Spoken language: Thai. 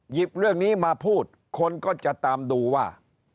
เรื่องนี้มาพูดคนก็จะตามดูว่า